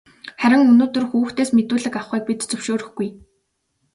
Харин өнөөдөр хүүхдээс мэдүүлэг авахыг бид зөвшөөрөхгүй.